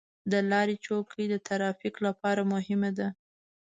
د لارې چوکۍ د ترافیک لپاره مهمه ده.